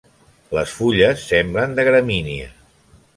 Les fulles semblen de gramínia.